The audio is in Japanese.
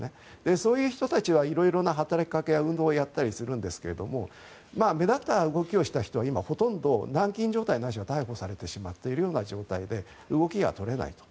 そういう人たちは色々な働きかけや運動をやっているするわけですが目立った動きをした人は今、ほとんど軟禁状態ないしは逮捕されているような状況で動きが取れないと。